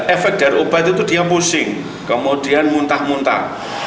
efek dari obat itu dia pusing kemudian muntah muntah